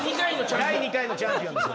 第２回のチャンピオンです。